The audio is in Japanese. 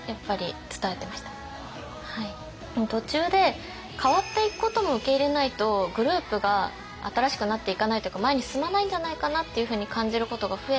でも途中で変わっていくことも受け入れないとグループが新しくなっていかないというか前に進まないんじゃないかなっていうふうに感じることが増えて。